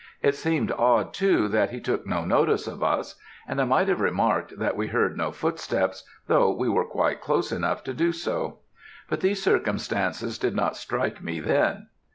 It seemed odd, too, that he took no notice of us; and I might have remarked, that we heard no footsteps, though we were quite close enough to do so; but these circumstances did not strike me then.